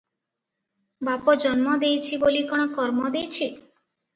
ବାପ ଜନ୍ମ ଦେଇଛି ବୋଲି କଣ କର୍ମ ଦେଇଛି?"